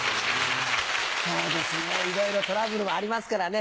そうですねいろいろトラブルもありますからね。